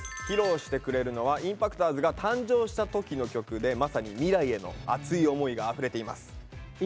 披露してくれるのはＩＭＰＡＣＴｏｒｓが誕生した時の曲でまさに未来への熱い思いがあふれています。